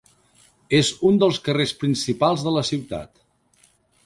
És un dels carrers principals de la ciutat